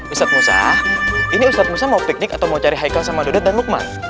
ustaz musa ini ustaz musa mau piknik atau mau cari haikal sama dodot dan lukman